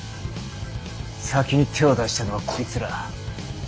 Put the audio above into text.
先に手を出したのはこいつら。